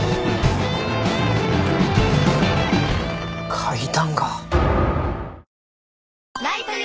階段が。